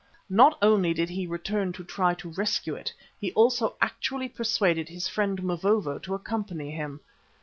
Not only did he return to try to rescue it, he also actually persuaded his friend Mavovo to accompany him.